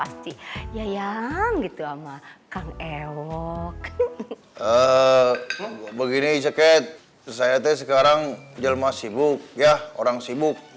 saya sekarang jelma sibuk ya orang sibuk